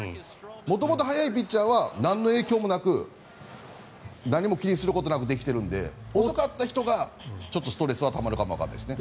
元々早いピッチャーは何の影響もなく何も気にすることなくできているので遅かった人はストレスがたまるかもしれないですね。